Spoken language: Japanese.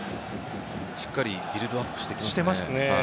しっかりビルドアップしてきましたね。